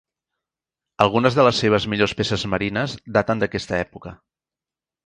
Algunes de les seves millors peces marines daten d'aquesta època.